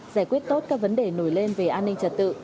giải quyết tốt các vấn đề nổi lên về an ninh trật tự